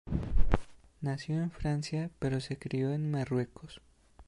Nació en Francia, pero se crio en Marruecos.